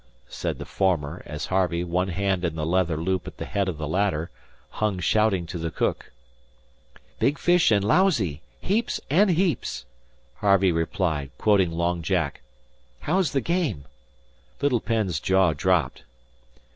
said the former, as Harvey, one hand in the leather loop at the head of the ladder, hung shouting to the cook. "Big fish and lousy heaps and heaps," Harvey replied, quoting Long Jack. "How's the game?" Little Penn's jaw dropped.